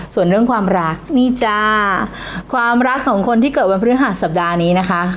ส่วนเรื่องความรักนี่จ้าความรักของคนที่เกิดวันพฤหัสสัปดาห์นี้นะคะ